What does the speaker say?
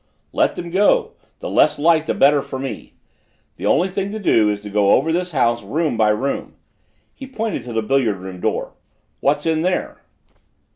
"Let them go! The less light the better for me. The only thing to do is to go over this house room by room." He pointed to the billiard room door. "What's in there?"